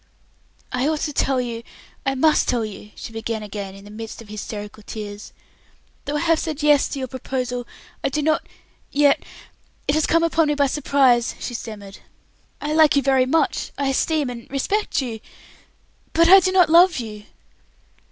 "I ought to tell you, I must tell you," she began again, in the midst of hysterical tears. "Though I have said 'yes' to your proposal, I do not yet It has come upon me by surprise," she stammered. "I like you very much; I esteem and respect you; but I do not love you."